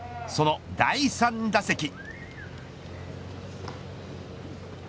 その第３打席。